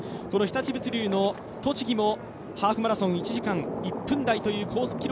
この日立物流の栃木もハーフマラソン、１時間１分台というコース